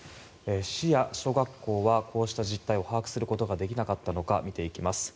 市や小学校はこうした実態を把握することができなかったのか見ていきます。